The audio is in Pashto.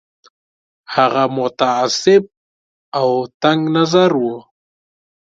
هغه متعصب او تنګ نظر وو.